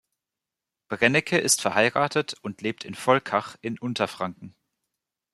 Brennecke ist verheiratet und lebt in Volkach in Unterfranken.